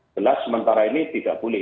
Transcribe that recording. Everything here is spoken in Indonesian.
jelas sementara ini tidak boleh